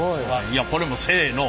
いやこれもうせの。